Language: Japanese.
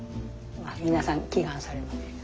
皆さん祈願される。